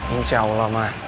insya allah ma